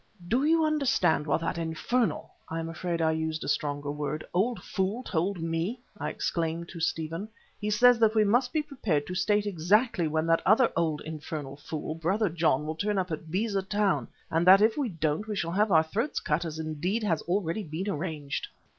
"Do you understand what that infernal (I am afraid I used a stronger word) old fool told me?" I exclaimed to Stephen. "He says that we must be prepared to state exactly when that other infernal old fool, Brother John, will turn up at Beza Town, and that if we don't we shall have our throats cut as indeed has already been arranged."